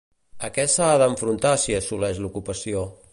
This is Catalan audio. A què s'ha d'enfrontar si assoleix l'ocupació?